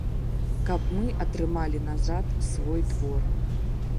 Каб мы атрымалі назад свой двор.